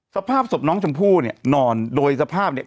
สภาพศพน้องชมพู่เนี่ยนอนโดยสภาพเนี่ย